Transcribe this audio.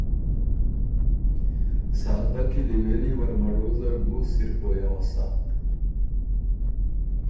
سادۀ کِلی وېلی ورمَړو زر بُو سِر پویٛ اؤسا